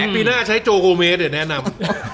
ปีหน้าใช้โจโกเมสเดี๋ยวแนะนำ